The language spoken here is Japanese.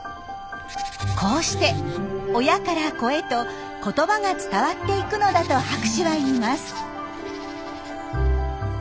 こうして親から子へと言葉が伝わっていくのだと博士は言います。